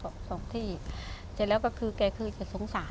สองที่เสร็จแล้วก็คือแกคือจะสงสาร